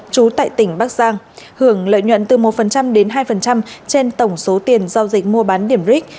trú tại tỉnh bắc giang hưởng lợi nhuận từ một đến hai trên tổng số tiền giao dịch mua bán điểm ric